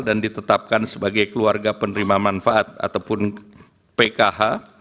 dan ditetapkan sebagai keluarga penerima manfaat ataupun pkh